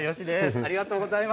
ありがとうございます。